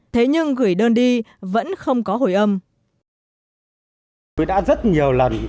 thế nhưng gửi đơn đi vẫn không có hồi âm